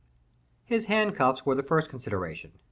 His handcuffs were the first consideration.